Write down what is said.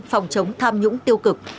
phòng chống tham nhũng tiêu cực